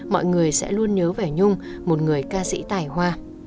mọi người sẽ luôn nhớ về nhung một người ca sĩ tài hoa